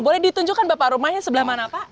boleh ditunjukkan bapak rumahnya sebelah mana pak